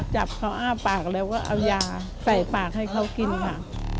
จับเขาอ้าปากแล้วก็เอายาใส่ปากให้เขากินค่ะ